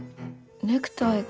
ネクタイが。